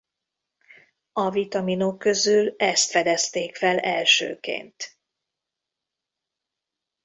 A vitaminok közül ezt fedezték fel elsőként.